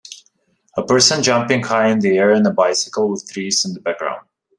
A person jumping high in the air in a bicycle with trees in the background.